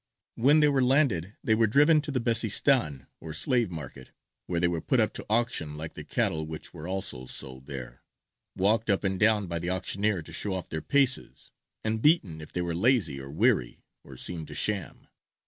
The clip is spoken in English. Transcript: When they were landed they were driven to the Besistān or slave market, where they were put up to auction like the cattle which were also sold there; walked up and down by the auctioneer to show off their paces; and beaten if they were lazy or weary or seemed to "sham."